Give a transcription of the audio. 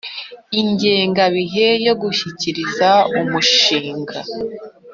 Ingengabihe yo gushyikiriza umushinga